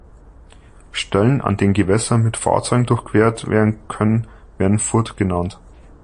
Stellen, an denen Gewässer mit Fahrzeugen durchquert werden können, werden Furt genannt.